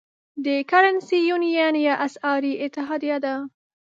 دا Currency Union یا اسعاري اتحادیه ده.